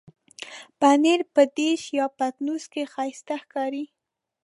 پنېر په ډش یا پتنوس کې ښايسته ښکاري.